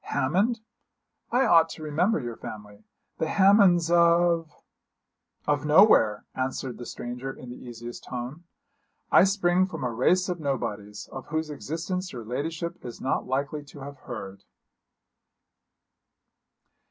'Hammond? I ought to remember your family the Hammonds of ' 'Of nowhere,' answered the stranger in the easiest tone; 'I spring from a race of nobodies, of whose existence your ladyship is not likely to have heard.'